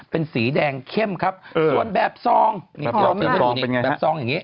เป็นสีแดงเข้มครับเออส่วนแบบซองเป็นแบบซองอย่างงี้